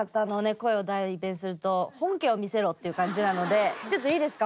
声を代弁すると「本家を見せろ」っていう感じなのでちょっといいですか？